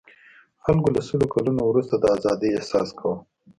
خلکو له سلو کلنو وروسته د آزادۍاحساس کاوه.